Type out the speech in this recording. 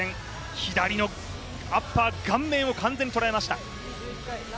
左のアッパー、顔面を完全に捉えました。